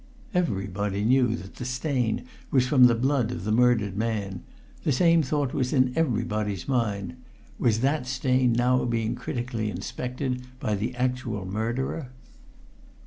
Everybody knew that the stain was from the blood of the murdered man; the same thought was in everybody's mind was that stain now being critically inspected by the actual murderer?